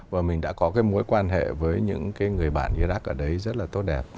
và mình đã có cái mối quan hệ với những người bạn iraq ở đấy rất là tốt đẹp